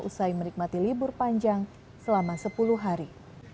usai menikmati libur panjang selama sepuluh hari